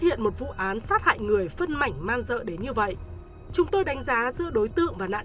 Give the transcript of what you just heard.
hiện một vụ án sát hại người phân mảnh man dợ đến như vậy chúng tôi đánh giá giữa đối tượng và nạn